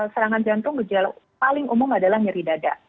serangan jantung gejala paling umum adalah nyeri dada